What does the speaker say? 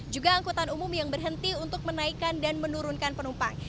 juga angkutan umum yang berhenti untuk menaikkan dan menurunkan penumpang